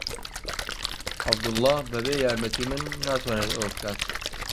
عەبدوڵڵا بەبێ یارمەتیی من ناتوانێت ئەوە بکات.